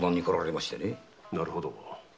なるほど。